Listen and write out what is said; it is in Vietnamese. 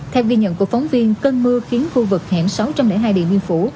theo ghi nhận của phóng viên cơn mưa khiến khu vực hẻm sáu trăm linh hai điện biên phủ